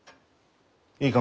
いいか？